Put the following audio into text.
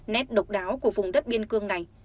nét độc đáo của vùng đất biên cương này